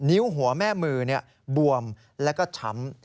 นิ้วหัวแม่มือบวมแล้วก็ช้ำ